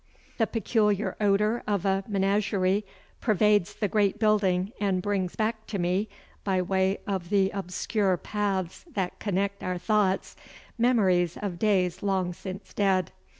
The peculiar odour of a menagerie pervades the great building and brings back to me, by way of the obscure paths that connect our thoughts, memories of days long since dead.